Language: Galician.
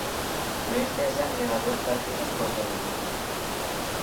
Luís Cesar leva dous partidos co Tenerife.